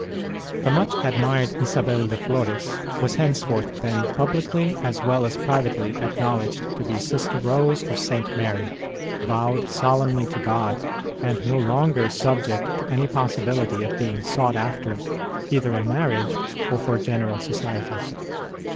much admired Isabel dc Flores was )* v r ,"; lyj*5 henceforth, then, publicly as well as privately acknowledged to be Sister Rose of St. Mary, vowed solemnly to God, and no longer subject to any possibility of being sought after either in marriage or for general society.